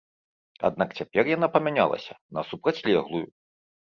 Аднак цяпер яна памянялася на супрацьлеглую.